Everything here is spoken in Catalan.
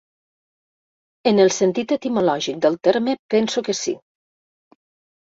En el sentit etimològic del terme, penso que sí.